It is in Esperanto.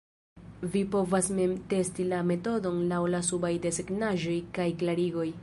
Vi povas mem testi la metodon laŭ la subaj desegnaĵoj kaj klarigoj.